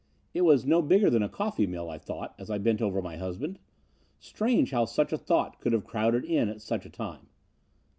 It was no bigger than a coffee mill, I thought, as I bent over my husband. Strange how such a thought could have crowded in at such a time.